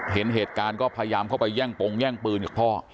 เห็นเหตุการณ์ก็พยายามเข้าไปแย่งปงแย่งปืนกับพ่อ